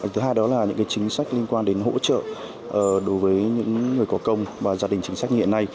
thứ hai đó là những chính sách liên quan đến hỗ trợ đối với những người có công và gia đình chính sách hiện nay